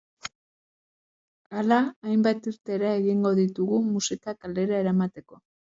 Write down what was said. Hala, hainbat irteera egingo ditugu, musika kalera eramateko.